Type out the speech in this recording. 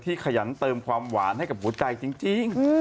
ขยันเติมความหวานให้กับหัวใจจริง